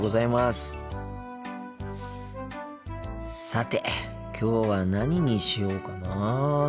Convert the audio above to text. さてきょうは何にしようかな。